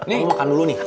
nih makan dulu nih